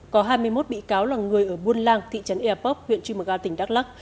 có hai mươi một bị cáo là người ở buôn lang thị trấn airpoc huyện chimuga tỉnh đắk lắc